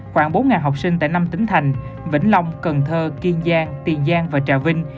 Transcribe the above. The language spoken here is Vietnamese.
khoảng bốn học sinh tại năm tỉnh thành vĩnh long cần thơ kiên giang tiền giang và trà vinh